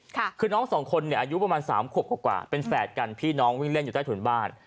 คือน้องสองคนเนี่ยอายุประมาณสามขวบกว่าเป็นแฝดกันพี่น้องวิ่งเล่นอยู่ใต้ถุนบ้าน